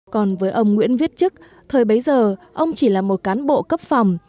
còn với ông nguyễn viết chức thời bấy giờ ông chỉ là một cán bộ cấp phòng